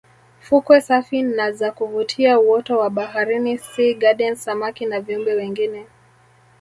Fukwe safi na za kuvutia uoto wa baharini sea gardens samaki na viumbe wengine